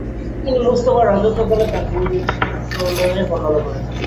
তিনি মুস্তফার রাজত্বকালকে তাঁর বই নুসরতনেমে বর্ণনা করেছেন।